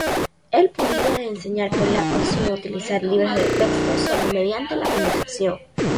Él podía enseñar polaco sin utilizar libros de texto, solo mediante la conversación.